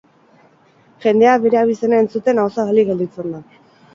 Jendea bere abizena entzutean ahozabalik gelditzen da.